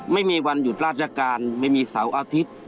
ไม่มีวันหยุดราชการไม่มีเสาร์อาทิตย์